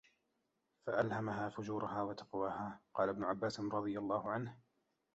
فَأَلْهَمَهَا فُجُورَهَا وَتَقْوَاهَا قَالَ ابْنُ عَبَّاسٍ رَضِيَ اللَّهُ عَنْهُ